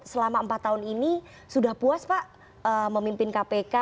selama empat tahun ini sudah puas pak memimpin kpk